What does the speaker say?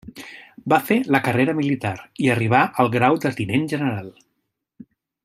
Va fer la carrera militar i arribà al grau de tinent general.